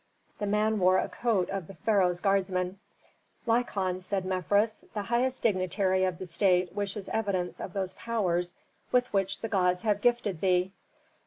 The man wore a coat of the pharaoh's guardsmen. "Lykon," said Mefres, "the highest dignitary of the state wishes evidence of those powers with which the gods have gifted thee."